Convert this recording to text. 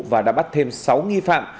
và đã bắt thêm sáu nghi phạm